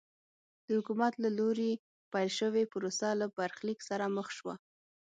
د حکومت له لوري پیل شوې پروسه له برخلیک سره مخ شوه.